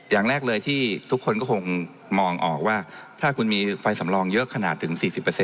อย่างแรกเลยที่ทุกคนก็คงมองออกว่าถ้าคุณมีไฟสำรองเยอะขนาดถึง๔๐